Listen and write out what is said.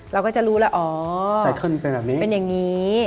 เราก็จะรู้แล้วอ๋อเป็นอย่างนี้